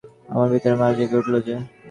আমার ভিতরে মা জেগে উঠল যে!